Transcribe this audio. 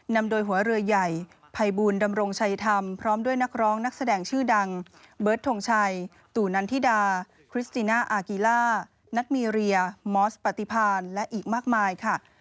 นำโดยหัวเรือใหญ่ภัยบูลดำรงชัยธรรมพร้อมด้วยนักร้องนักแสดงชื่อดังเบิร์ดทงชัยตู่นันทิดาคริสติน่าอากิล่านัทมีเรียมอสปฏิพานและอีกมากมายค่ะ